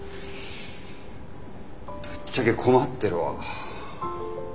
ぶっちゃけ困ってるわ。